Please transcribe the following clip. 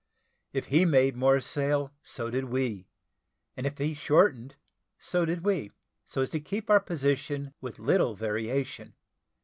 If he made more sail, so did we; if he shortened, so did we, so as to keep our position with little variation.